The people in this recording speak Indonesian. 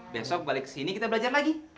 besok balik kesini kita belajar lagi